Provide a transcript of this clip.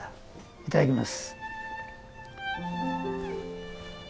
いただきます。